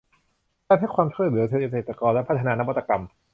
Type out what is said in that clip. การให้ความช่วยเหลือเกษตรกรและพัฒนานวัตกรรม